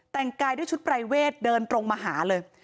แต่งกายด้วยชุดปรายเวทเดินตรงมาหาเลย